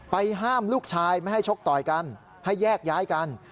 ห้ามลูกชายไม่ให้ชกต่อยกันให้แยกย้ายกัน